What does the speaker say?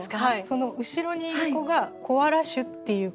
その後ろにいる子が「コアラ種」っていうことで。